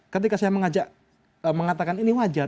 ketika saya mengatakan ini wajar